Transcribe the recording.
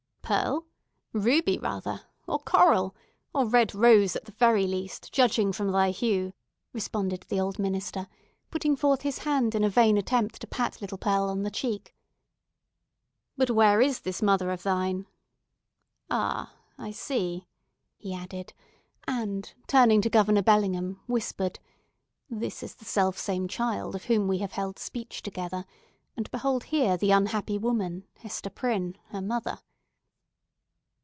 "Pearl?—Ruby, rather—or Coral!—or Red Rose, at the very least, judging from thy hue!" responded the old minister, putting forth his hand in a vain attempt to pat little Pearl on the cheek. "But where is this mother of thine? Ah! I see," he added; and, turning to Governor Bellingham, whispered, "This is the selfsame child of whom we have held speech together; and behold here the unhappy woman, Hester Prynne, her mother!"